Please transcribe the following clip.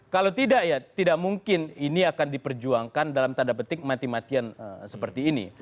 kalau tidak ya tidak mungkin ini akan diperjuangkan dalam tanda petik mati matian seperti ini